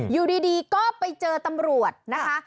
อยู่ดีก็ไปเจอตำรวจนะคะ